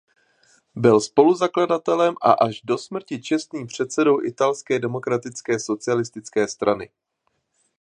Byl spoluzakladatelem a až do smrti čestným předsedou Italské demokratické socialistické strany.